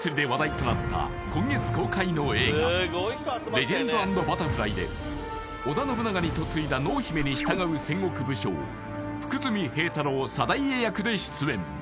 「レジェンド＆バタフライ」で織田信長に嫁いだ濃姫に従う戦国武将福富平太郎貞家役で出演